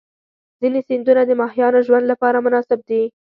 ځینې سیندونه د ماهیانو ژوند لپاره مناسب دي.